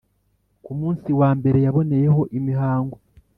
ku munsi wa mbere yaboneyeho imihango,